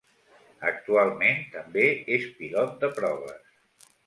Actualment, també és pilot de proves.